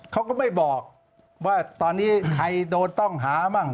เขาก็ไม่บอกว่าตอนนี้ใครโดนต้องหามั่ง